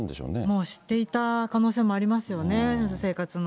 もう知っていた可能性もありますよね。